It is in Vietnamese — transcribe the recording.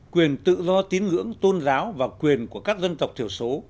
quyền tự do tín ngưỡng tôn giáo và quyền của các dân tộc thiểu số